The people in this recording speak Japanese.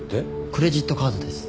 クレジットカードです。